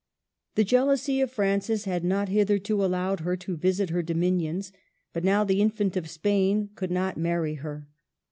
The jealousy of Francis had not hitherto allowed her to visit her dominions; but now the Infant of Spain could not marry her.